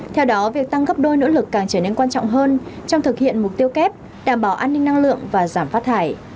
theo đó việc tăng gấp đôi nỗ lực càng trở nên quan trọng hơn trong thực hiện mục tiêu kép đảm bảo an ninh năng lượng và giảm phát thải